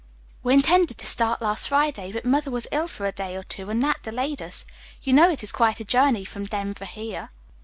"We intended to start last Friday, but mother was ill for a day or two, and that delayed us. You know it is quite a journey from Denver here."